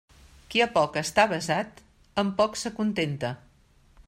Qui a poc està avesat, amb poc s'acontenta.